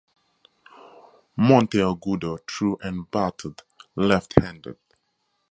Monteagudo threw and batted left-handed.